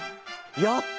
やった！